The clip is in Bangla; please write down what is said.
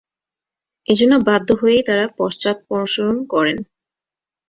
এ জন্য বাধ্য হয়েই তারা পশ্চাদপসরণ করেন।